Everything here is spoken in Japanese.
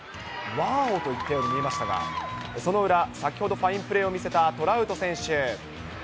ワオと言ってるようにも見えましたが、その裏、先ほどファインプレーを見せたトラウト選手。